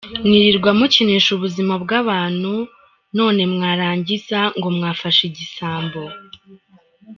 Mwirirwa mukinisha ubuzima bwabantu none mwarangiza ngo mwafashe igisambo! .